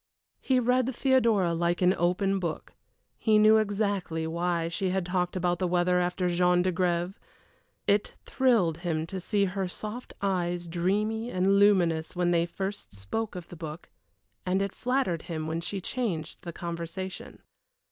He read Theodora like an open book: he knew exactly why she had talked about the weather after Jean d'Agrève. It thrilled him to see her soft eyes dreamy and luminous when they first spoke of the book, and it flattered him when she changed the conversation.